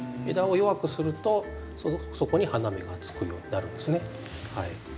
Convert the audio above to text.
枝を弱くするとそこに花芽がつくようになるんですね。